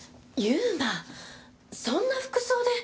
そんな服装で。